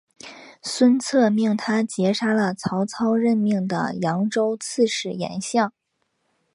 孙策命他截杀了曹操任命的扬州刺史严象。